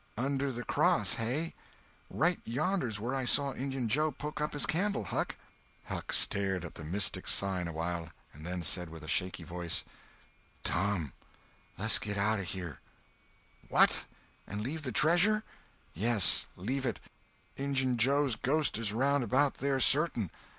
'under the cross,' hey? Right yonder's where I saw Injun Joe poke up his candle, Huck!" Huck stared at the mystic sign awhile, and then said with a shaky voice: "Tom, less git out of here!" "What! and leave the treasure?" "Yes—leave it. Injun Joe's ghost is round about there, certain."